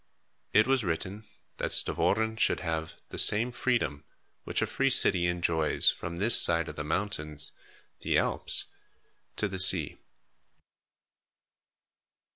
It was written that Stavoren should have "the same freedom which a free city enjoys from this side of the mountains (the Alps) to the sea."